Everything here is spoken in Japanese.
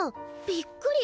びっくり！